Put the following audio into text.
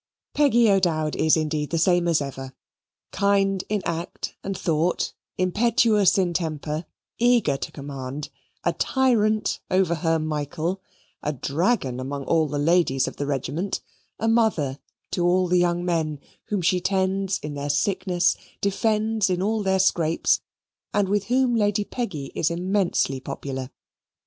Peggy O'Dowd is indeed the same as ever, kind in act and thought; impetuous in temper; eager to command; a tyrant over her Michael; a dragon amongst all the ladies of the regiment; a mother to all the young men, whom she tends in their sickness, defends in all their scrapes, and with whom Lady Peggy is immensely popular.